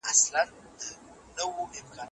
بې طرفه اوسېدل یو ستونزمن کار دی.